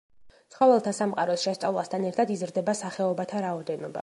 ცხოველთა სამყაროს შესწავლასთან ერთად იზრდება სახეობათა რაოდენობა.